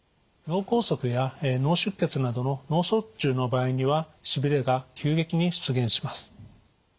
脳梗塞や脳出血などの脳卒中の場合にはしびれが急激に出現します。